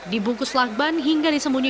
dibungkus lagban hingga disemprotkan